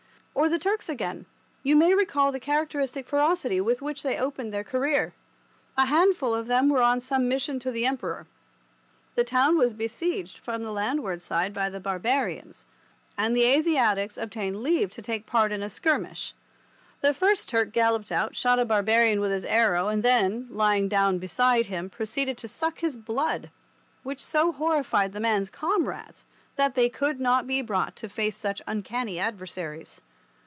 Or the Turks again; you may recall the characteristic ferocity with which they opened their career. A handful of them were on some mission to the Emperor. The town was besieged from the landward side by the barbarians, and the Asiatics obtained leave to take part in a skirmish. The first Turk galloped out, shot a barbarian with his arrow, and then, lying down beside him, proceeded to suck his blood, which so horrified the man's comrades that they could not be brought to face such uncanny adversaries.